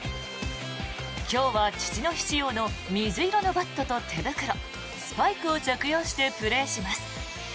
今日は父の日仕様の水色のバットと手袋スパイクを着用してプレーします。